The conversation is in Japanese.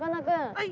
はい。